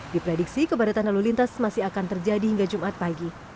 diprediksi kepadatan lalu lintas masih akan terjadi hingga jumat pagi